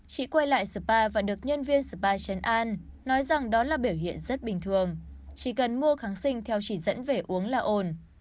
chị quay lại spa và được nhân viên spa chấn an nói rằng đó là biểu hiện rất bình thường chỉ cần mua kháng sinh theo chỉ dẫn về uống là ồn